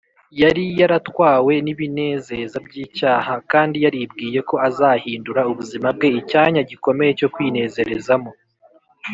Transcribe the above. yari yaratwawe n’ibinezeza by’icyaha, kandi yaribwiye ko azahindura ubuzima bwe icyanya gikomeye cyo kwinezerezamo